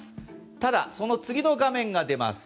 ただ、その次の画面が出ます。